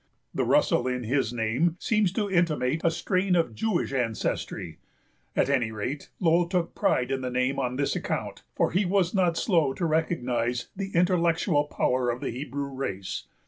The Russell in his name seems to intimate a strain of Jewish ancestry; at any rate Lowell took pride in the name on this account, for he was not slow to recognize the intellectual power of the Hebrew race.